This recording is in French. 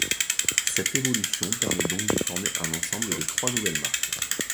Cette évolution permet donc de former un ensemble de trois nouvelles marques.